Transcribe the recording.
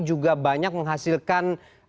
juga banyak menghasilkan